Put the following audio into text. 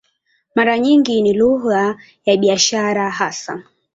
Mara nyingi ni lugha za biashara hasa.